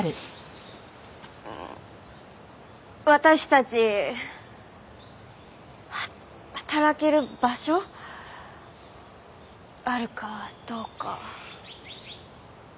私たち働ける場所あるかどうか。